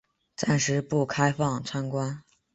暂时不开放参观